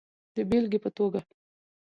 د بېلګې په توګه